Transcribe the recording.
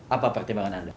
apa pertimbangan anda